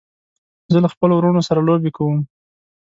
زه له خپلو وروڼو سره لوبې کوم.